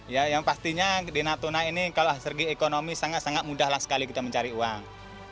ya yang pastinya di natuna ini kalau segi ekonomi sangat sangat mudah lah sekali kita mencari uang